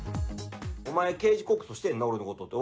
お前、刑事告訴してんな、俺のことって。